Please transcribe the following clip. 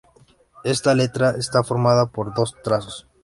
Esta letra está formada por dos trazos.